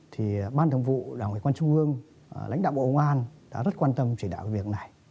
thì ban thống vụ đảng ủy quan trung ương lãnh đạo bộ ngoan đã rất quan tâm chỉ đạo việc này